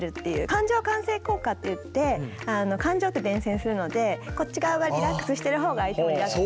感情感染効果っていって感情って伝染するのでこっち側がリラックスしてる方が相手もリラックスしやすい。